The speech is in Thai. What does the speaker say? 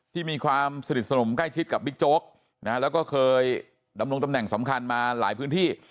ที่มีความสนิทสนมใกล้ชิดกับบิ๊กโจ๊กแล้วก็เคยดำรงตำแหน่งสำคัญมาหลายพื้นที่